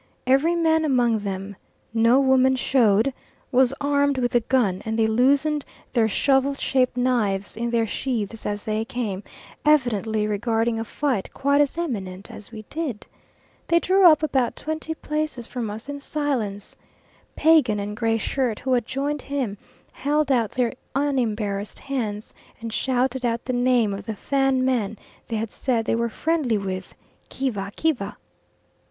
Every man among them no women showed was armed with a gun, and they loosened their shovel shaped knives in their sheaths as they came, evidently regarding a fight quite as imminent as we did. They drew up about twenty paces from us in silence. Pagan and Gray Shirt, who had joined him, held out their unembarrassed hands, and shouted out the name of the Fan man they had said they were friendly with: "Kiva Kiva."